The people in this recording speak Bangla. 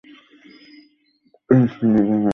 তার স্ত্রী বিবি আমেনা।